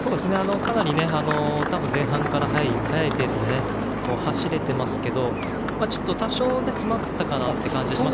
かなり前半から速いペースで走れていますけど多少、詰まったかなという感じが。